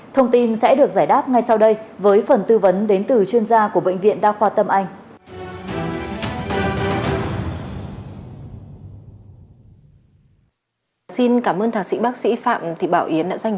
thông tin sẽ được giải đáp ngay sau đây với phần tư vấn đến từ chuyên gia của bệnh viện đa khoa tâm anh